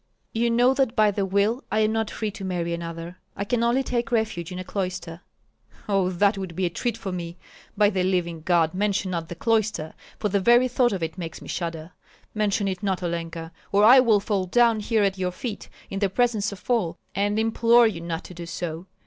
"You know that by the will I am not free to marry another. I can only take refuge in a cloister." "Oh, that would be a treat for me! By the living God, mention not the cloister, for the very thought of it makes me shudder. Mention it not, Olenka, or I will fall down here at your feet in the presence of all, and implore you not to do so.